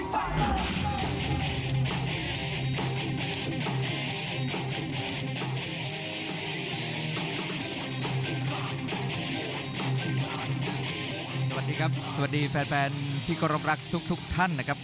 สวัสดีครับสวัสดีแฟนที่เคารพรักทุกท่านนะครับ